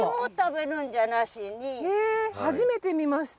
へえ初めて見ました。